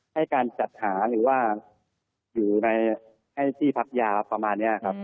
ให้การจัดหาหรือว่าอยู่ในให้ที่พักยาประมาณนี้ครับ